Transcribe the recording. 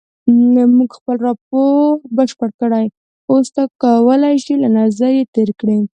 مونږ خپل راپور بشپړ کړی اوس ته کولای شې له نظر یې تېر کړې.